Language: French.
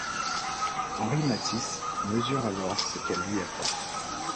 Henri Matisse mesure alors ce qu'elle lui apporte.